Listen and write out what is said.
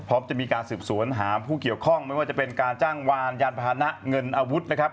พร้อมจะมีการสืบสวนหาผู้เกี่ยวข้องไม่ว่าจะเป็นการจ้างวานยานพานะเงินอาวุธนะครับ